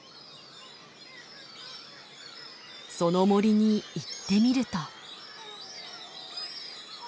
その森に行ってみると。